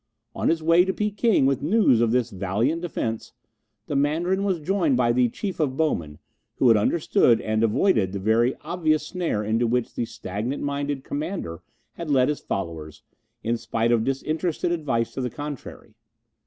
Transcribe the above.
On his way to Peking with news of this valiant defence, the Mandarin was joined by the Chief of Bowmen, who had understood and avoided the very obvious snare into which the stagnant minded Commander had led his followers, in spite of disinterested advice to the contrary.